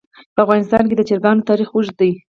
په افغانستان کې د چرګان تاریخ اوږد دی.